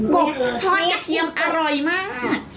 กบทอดกระเทียมอร่อยมาก